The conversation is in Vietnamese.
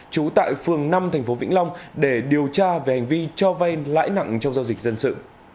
trú tại phường năm tp vĩnh long để điều tra về hành vi cho vay lãi nặng trong giao dịch dân sự